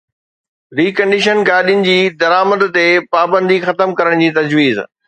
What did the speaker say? reconditioned گاڏين جي درآمد تي پابندي ختم ڪرڻ جي تجويز